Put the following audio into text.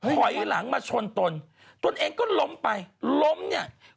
ถอยหลังมาชนตนตนเองก็ล้มไปล้มเนี่ย